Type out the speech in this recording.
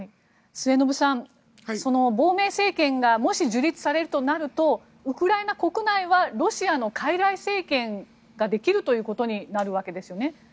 末延さん、亡命政権がもし樹立されるとなるとウクライナ国内はロシアのかいらい政権ができるということになるわけですよね。